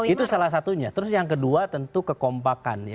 itu salah satunya terus yang kedua tentu kekompakan